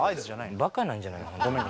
バカなんじゃない？ごめん。